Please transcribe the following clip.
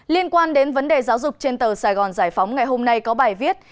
liên quan đến vấn đề giáo dục trên tờ sài gòn giải phóng ngày hôm nay có bài viết